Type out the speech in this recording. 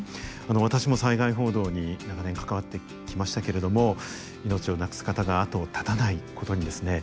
私も災害報道に長年関わってきましたけれども命をなくす方が後を絶たないことにですね